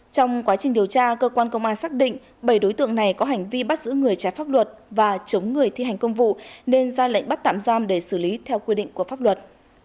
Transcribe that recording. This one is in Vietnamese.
trong quá trình điều tra cơ quan công an xác định bảy đối tượng này có hành vi bắt giữ người trái pháp luật và chống người thi hành công vụ nên ra lệnh bắt tạm giam để xử lý theo quy định của pháp luật